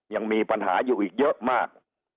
ยังมีปัญหาอยู่อีกเยอะมาก